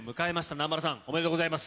南原さん、おめでとうございます。